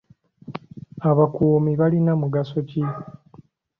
Abakuumi balina mugaso ki?